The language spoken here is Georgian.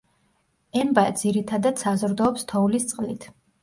ემბა ძირითადად საზრდოობს თოვლის წყლით.